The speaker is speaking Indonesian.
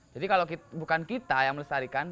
jadi kalau bukan kita yang melestarikan